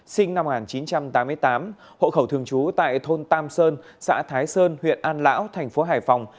sinh năm một nghìn chín trăm tám mươi tám hộ khẩu thường trú tại thôn tam sơn xã thái sơn huyện an lão thành phố hải phòng